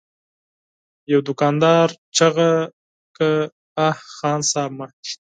يوه دوکاندار چيغه کړه: اه! خان صيب! مه!